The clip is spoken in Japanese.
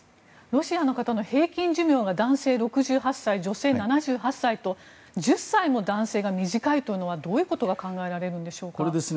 ロシアの方の平均寿命が男性６８歳女性は７８歳と１０歳も男性が短いというのはどういうことが考えられますか？